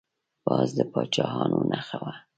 باز د پاچاهانو نښه وه